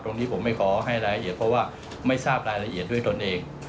ตรงนี้ผมไม่ขอให้รายละเอียดเพราะว่าไม่ทราบรายละเอียดด้วยตนเอง